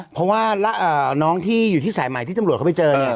เพราะว่าน้องที่อยู่ที่สายใหม่ที่ตำรวจเขาไปเจอเนี่ย